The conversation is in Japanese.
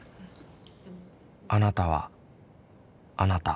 あなたはあなた。